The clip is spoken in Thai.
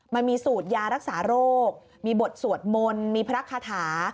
มันมีสูตรยารักษาโรคมีบทสวดมนต์มีพระคาถา